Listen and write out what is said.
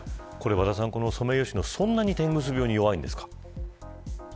和田さん、ソメイヨシノそんなにてんぐ巣病に弱いんですか。